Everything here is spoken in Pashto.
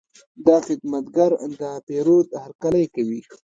دا خدمتګر د پیرود هرکلی کوي.